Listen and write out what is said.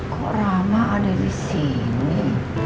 kok rama ada di sini